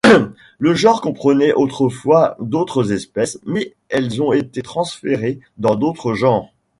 Le genre comprenait autrefois d'autres espèces mais elles ont été transférées dans d'autres genres.